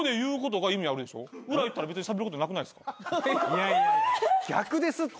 いやいや逆ですって。